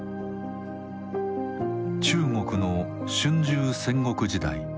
中国の春秋・戦国時代。